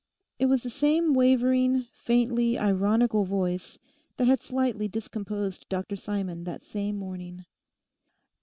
It was the same wavering, faintly ironical voice that had slightly discomposed Dr Simon that same morning.